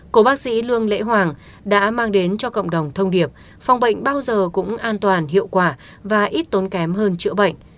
cô bác sĩ lương lễ hoàng đã mang đến cho cộng đồng thông điệp phòng bệnh bao giờ cũng an toàn hiệu quả và ít tốn kém hơn chữa bệnh